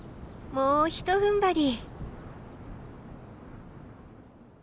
もうひとふんばり！